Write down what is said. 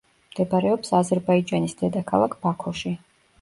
მდებარეობს აზერბაიჯანის დედაქალაქ ბაქოში.